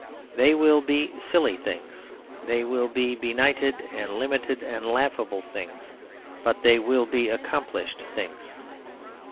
They will be silly things; they will be benighted and limited and laughable things; but they will be accomplished things.